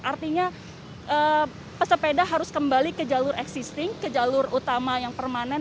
artinya pesepeda harus kembali ke jalur existing ke jalur utama yang permanen